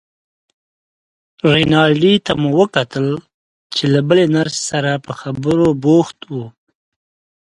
رینالډي ته مو وکتل چې له بلې نرسې سره په خبرو بوخت و.